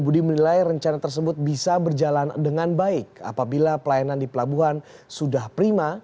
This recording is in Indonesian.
budi menilai rencana tersebut bisa berjalan dengan baik apabila pelayanan di pelabuhan sudah prima